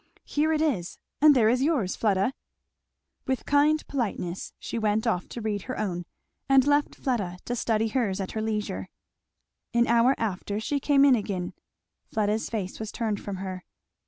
"Here it is! and there is yours, Fleda." With kind politeness she went off to read her own and left Fleda to study hers at her leisure. An hour after she came in again. Fleda's face was turned from her.